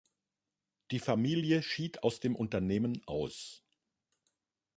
Die Familie schied aus dem Unternehmen aus.